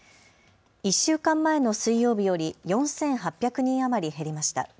１週間前の水曜日より４８００人余り減りました。